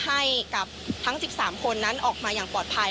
ให้กับทั้ง๑๓คนนั้นออกมาอย่างปลอดภัย